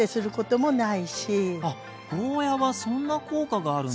あっゴーヤーはそんな効果があるんですね。